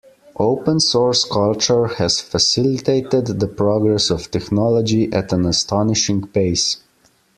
Open source culture has facilitated the progress of technology at an astonishing pace.